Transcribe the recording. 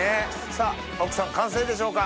さぁ奥さん完成でしょうか。